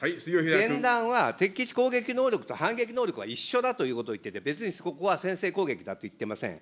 前段は敵基地攻撃能力と反撃能力は一緒だということを言っていて、別にそこは先制攻撃だと言ってません。